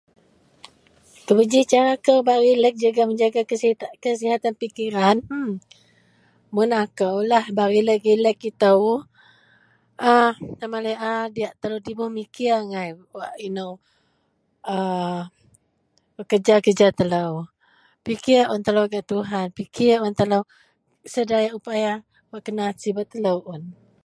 Kuba ji cara kou bak relek jegem jaga kesehatan pikiran mmm mun akou lah bak relek-relek ito aaa sama laei a diyak telo memekir a wak ino kerja-kerja telo pikir un telo gak Tuhan pikir un sedaya upaya wak kena sibet telo.